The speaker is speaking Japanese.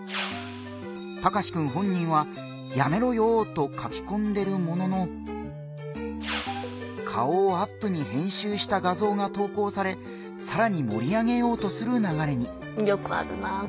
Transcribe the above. タカシくん本人は「やめろよー」と書きこんでるものの顔をアップに編集した画像が投稿されさらに盛り上げようとするながれに。